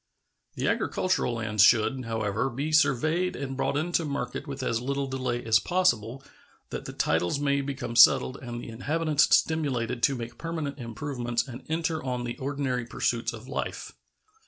The agricultural lands should, however, be surveyed and brought into market with as little delay as possible, that the titles may become settled and the inhabitants stimulated to make permanent improvements and enter on the ordinary pursuits of life.